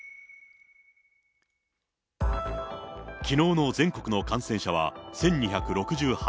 きのうの全国の感染者は１２６８人。